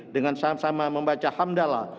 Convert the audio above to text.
dengan sama sama membaca hamdallah